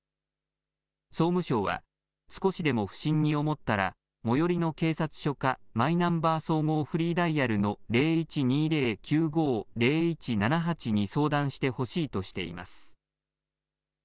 総務省は、少しでも不審に思ったら、最寄りの警察署かマイナンバー総合フリーダイヤルの、０１２０ー９５ー０１７８に相談してほしいとしています。